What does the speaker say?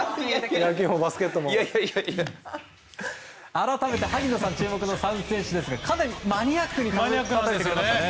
改めて萩野さん注目の３選手ですがかなりマニアックに教えてくれましたね。